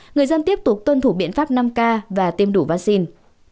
người dân tiếp tục tuân thủ biện pháp năm k và tiêm đủ vaccine